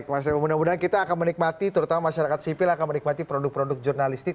mas eko mudah mudahan kita akan menikmati terutama masyarakat sipil akan menikmati produk produk jurnalistik